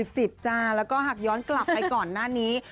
แล้วก็หากย้อนกลับไปก่อนหน้านี้